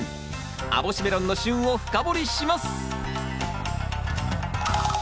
網干メロンの旬を深掘りします！